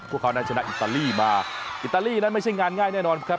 พวกเขานั้นชนะอิตาลีมาอิตาลีนั้นไม่ใช่งานง่ายแน่นอนครับ